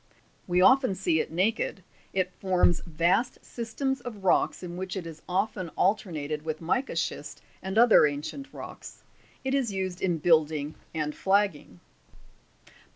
We often see it naked ; it forms vast systems of rocks in which it is often alternated with mica schist and other ancient rocks. It is used in building and flagging.